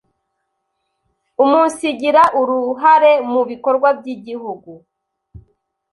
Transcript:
umunsigira uruhare mu bikorwa by’Igihugu